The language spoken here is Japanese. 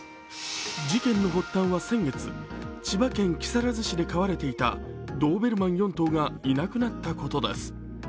事件の発端は先月、千葉県木更津市で飼われていたドーベルマン４頭がいなくなったことです。